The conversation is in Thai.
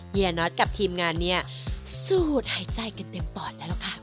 เฮียนอทกับทีมงานนี้สูตรหายใจกันเต็มปอดแล้วค่ะ